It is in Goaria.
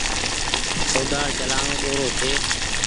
ڪوۮآڙ چلآڻو ڏورو ڇي۔